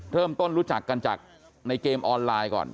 เริ่มต้นรู้จักกันจากในเกมออนไลน์ก่อน